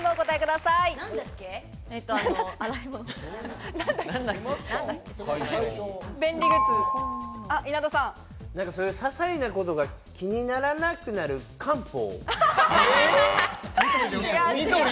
ささいなことが気にならなくなる漢方。